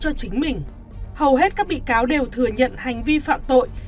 hầu hết các bị cáo đều thừa nhận hành vi phạm tội